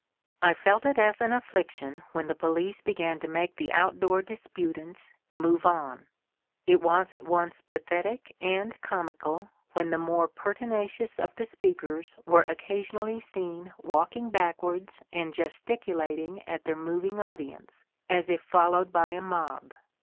I felt it as an afiBiction when the police began to make the outdoor disputants ^* move on." It was at once pathetic and comical when the more pertinacious of the speakers were occasionally seen walking backwards and gesticulating at their moving audience, as if followed by a mob.